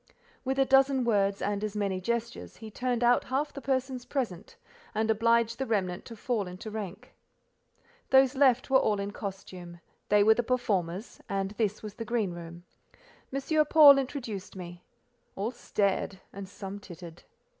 With a dozen words, and as many gestures, he turned out half the persons present, and obliged the remnant to fall into rank. Those left were all in costume: they were the performers, and this was the green room. M. Paul introduced me. All stared and some tittered.